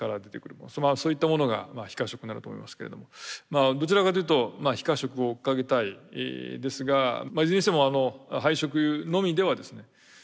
そういったものが非可食になると思いますけれどもまあどちらかというと非可食を追っかけたいですがいずれにしても廃食油のみではですね